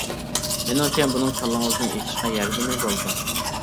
مېنىڭچە، بۇنىڭ كاللىڭىزنى ئېچىشقا ياردىمى بولىدۇ.